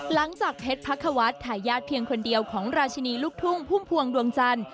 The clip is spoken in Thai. หลังจากเพชรพักควัฒน์ทายาทเพียงคนเดียวของราชินีลูกทุ่งพุ่มพวงดวงจันทร์